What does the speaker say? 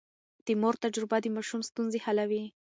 د مور تجربه د ماشوم ستونزې حلوي.